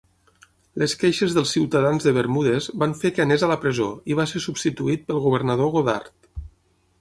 Les queixes dels ciutadans de Bermudes van fer que anés a la presó i va ser substituït pel governador Goddard.